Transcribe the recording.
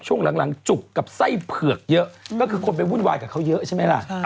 ช่วงหลังจุกกับไส้เผือกเยอะก็คือคนไปวุ่นวายกับเขาเยอะใช่ไหมล่ะ